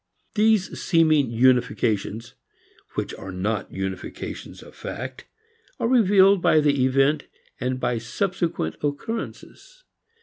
These seeming unifications which are not unifications of fact are revealed by the event, by subsequent occurrences.